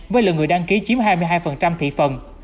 với lượng người đăng ký chiếm hai mươi hai thị phần